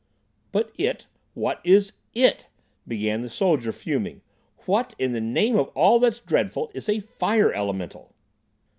"But 'it'—what is 'it'?" began the soldier, fuming. "What, in the name of all that's dreadful, is a fire elemental?"